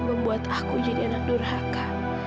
membuat aku jadi anak durhaka